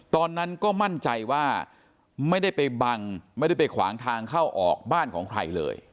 ตอนนั้นก็มั่นใจว่าไม่ได้ไปบังไม่ได้ไปขวางทางเข้าออกบ้านของใครเลย